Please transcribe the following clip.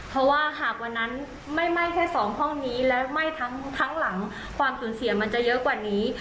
เพราะว่าหากวันนั้นไม่ไหม้แค่สองห้องนี้และไหม้ทั้งหลังความสูญเสียมันจะเยอะกว่านี้